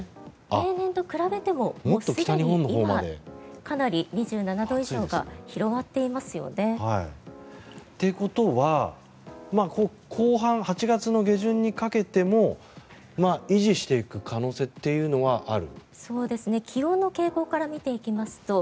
例年と比べても今、かなり２７度以上が広がっていますよね。ということは後半、８月の下旬にかけても維持していく可能性というのはある？